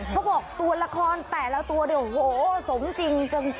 เขาบอกตัวละครแต่ละตัวโหสมจริงจัง